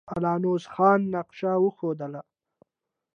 الله نواز خان نقشه وښودله.